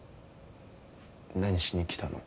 何しに来たの？